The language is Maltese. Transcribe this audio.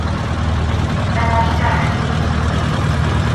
Mela x'ġara xbin?